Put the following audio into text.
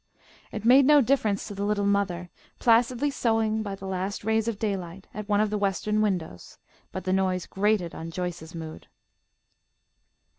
It made no difference to the little mother, placidly sewing by the last rays of daylight at one of the western windows; but the noise grated on Joyce's mood.